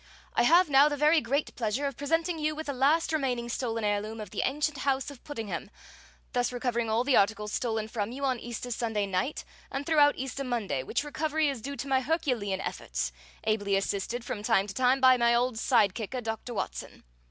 "I have now the very great pleasure of presenting you with the last remaining stolen heirloom of the ancient House of Puddingham, thus recovering all the articles stolen from you on Easter Sunday night and throughout Easter Monday, which recovery is due to my herculean efforts, ably assisted from time to time by my old side kicker, Doctor Watson.